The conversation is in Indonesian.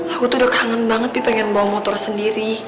aku tuh udah kangen banget sih pengen bawa motor sendiri